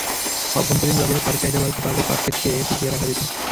অভ্যন্তরীণ বাজারে পাটের চাহিদা বাড়াতে পারলেও পাট খাতকে টিকিয়ে রাখা যেত।